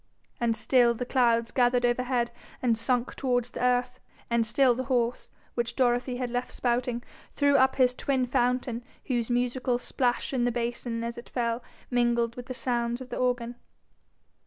And still the clouds gathered overhead and sunk towards the earth; and still the horse, which Dorothy had left spouting, threw up his twin fountain, whose musical plash in the basin as it fell mingled with the sounds of the organ.